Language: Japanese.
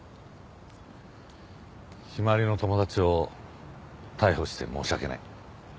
陽葵の友達を逮捕して申し訳ない。